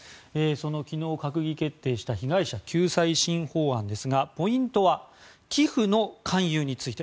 その昨日閣議決定した被害者救済新法案ですがポイントは寄付の勧誘について。